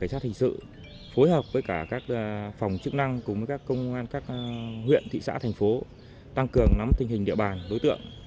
cảnh sát hình sự phối hợp với cả các phòng chức năng cùng với các công an các huyện thị xã thành phố tăng cường nắm tình hình địa bàn đối tượng